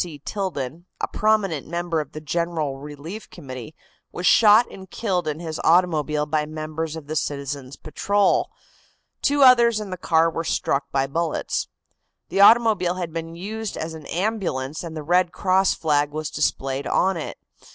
C. Tilden, a prominent member of the General Relief Committee, was shot and killed in his automobile by members of the citizens' patrol. Two others in the car were struck by bullets. The automobile had been used as an ambulance and the Red Cross flag was displayed on it.